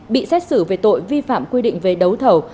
bị xét xử về tội vi phạm quy định về đấu thầu